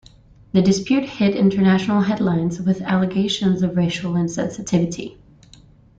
The dispute hit international headlines with allegations of racial insensitivity.